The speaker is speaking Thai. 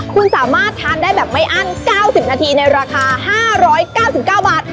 คุณสามารถทานได้แบบไม่อั้น๙๐นาทีในราคา๕๙๙บาท